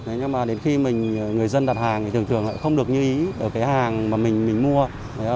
thế nhưng mà đến khi mình người dân đặt hàng thì thường thường lại không được như ý ở cái hàng mà mình mua